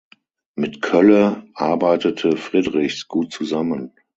Mit Kölle arbeitete Friedrichs gut zusammen.